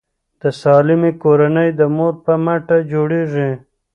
د سالمې کورنۍ د مور په مټه جوړیږي.